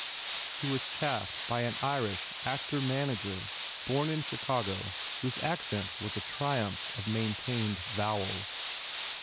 He was chaffed by an Irish actor manager born in Chicago whose accent was a triumph of maintained vowels.